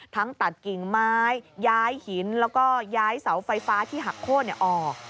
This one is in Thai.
ตัดกิ่งไม้ย้ายหินแล้วก็ย้ายเสาไฟฟ้าที่หักโค้นออก